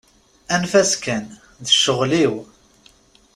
Anef-as kan, d ccɣel-iw.